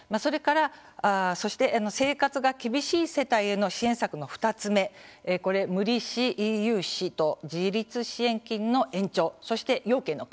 そして、生活が厳しい世帯への支援策の２つ目無利子融資と自立支援金の延長そして、要件の緩和ですね。